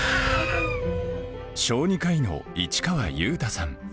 小児科医の市川裕太さん。